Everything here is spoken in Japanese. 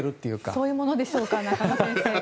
そういうものでしょうか中野先生。